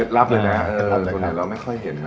เคล็ดลับเลยนะส่วนอื่นเราไม่เคยเห็นนะ